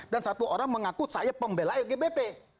dan satu orang mengaku saya pembela lgbt